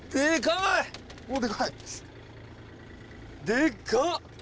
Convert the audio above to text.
でかっ！